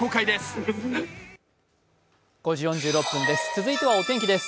続いてはお天気です。